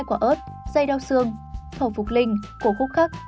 một hai quả ớt dây đau xương thổ phục linh cổ khúc khắc